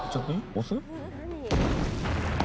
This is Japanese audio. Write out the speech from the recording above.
押す？